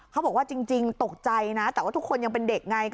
เขาบอกว่าจริงตกใจนะแต่ว่าทุกคนยังเป็นเด็กไง